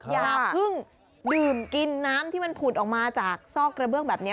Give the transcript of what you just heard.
อย่าเพิ่งดื่มกินน้ำที่มันผุดออกมาจากซอกกระเบื้องแบบนี้